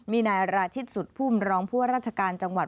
มีนายราชิตสุดภูมิร้องพวกราชการจังหวัด